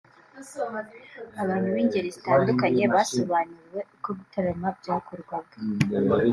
Abantu b’ingeri zitandukanye basobanuriwe uko gutarama byakorwaga